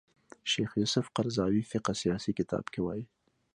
شیخ یوسف قرضاوي فقه سیاسي کتاب کې وايي